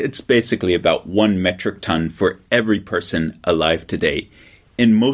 ini adalah sekitar satu ton metrik untuk setiap orang yang hidup hari ini